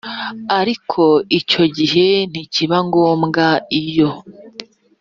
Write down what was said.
Ariko icyo gihe ntikiba ngombwa iyo